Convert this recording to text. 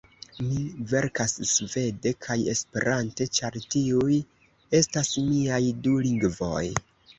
Mi verkas svede kaj Esperante, ĉar tiuj estas miaj du lingvoj.